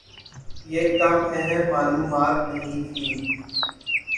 یہ کم اہم معلومات نہیں تھیں۔